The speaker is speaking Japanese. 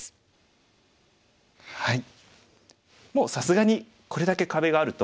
もうさすがにこれだけ壁があると。